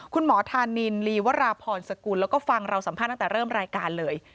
ธานินลีวราพรสกุลแล้วก็ฟังเราสัมภาษณ์ตั้งแต่เริ่มรายการเลย